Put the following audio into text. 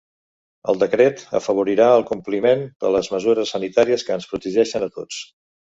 El decret afavorirà el compliment de les mesures sanitàries que ens protegeixen a tots.